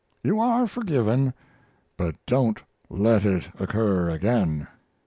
You are forgiven, but don't let it occur again.